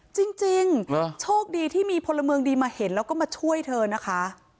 จริงโชคดีที่มีพลเมืองดีมาเห็นแล้วก็มาช่วยเธอนะคะ